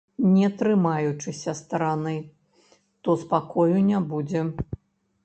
Не трымаючыся стараны, то спакою не будзе.